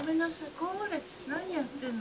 これ何やってんの。